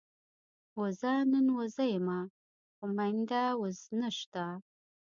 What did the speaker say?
وزه نن وزيمه ده، خو مينده وز نشته